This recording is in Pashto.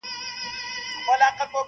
یو څه ستا فضل یو څه به دوی وي-